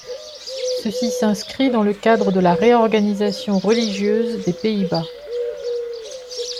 Ceci s'inscrit dans le cadre de la réorganisation religieuse des Pays-Bas.